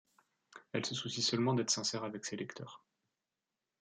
Elle se soucie seulement d'être sincère avec ses lecteurs.